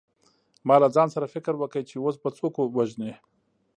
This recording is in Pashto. ما له ځان سره فکر وکړ چې اوس به څوک وژنې